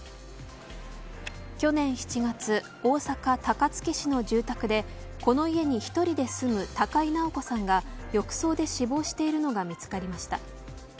去年７月、大阪、高槻市の住宅でこの家に１人で住む高井直子さんが浴槽で死亡しているのが見つかりました。